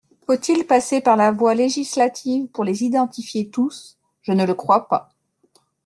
Faut-il passer par la voie législative pour les identifier tous ? Je ne le crois pas.